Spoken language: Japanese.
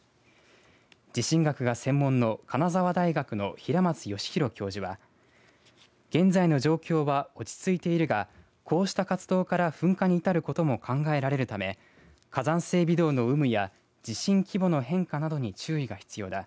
地震学が専門の金沢大学の平松良浩教授は現在の状況は落ち着いているがこうした活動から噴火に至ることも考えられるため火山性微動の有無や地震規模の変化などに注意が必要だ。